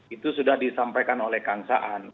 itu sudah disampaikan oleh kang saan